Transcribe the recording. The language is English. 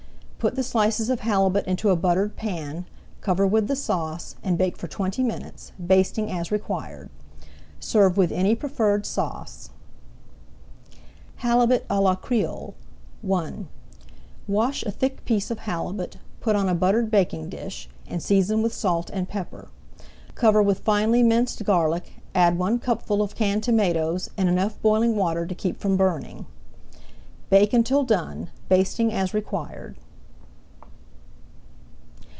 Put the slices of halibut into a buttered pan, cover with the sauce, and bake for twenty minutes, basting as required. Serve with any preferred sauce. [Page 172] HALIBUT À LA CREOLE I Wash a thick piece of halibut, put on a buttered baking dish, and season with salt and pepper. Cover with finely minced garlic, add one cupful of canned tomatoes and enough boiling water to keep from burning. Bake until done, basting as required.